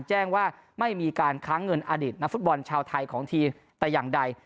แจ้งว่าไม่มีการค้างเงินอดีตนักฟุตบอลชาวไทยของทีมแต่อย่างใด